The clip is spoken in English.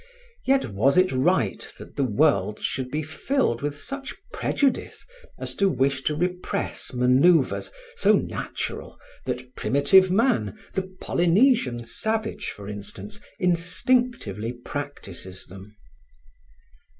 Yet was it right that the world should be filled with such prejudice as to wish to repress manoeuvres so natural that primitive man, the Polynesian savage, for instance, instinctively practices them?